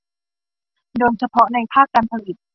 โดยเฉพาะในภาคการผลิต